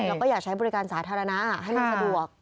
แล้วก็อยากใช้บริการสาธารณะให้มันสะดวก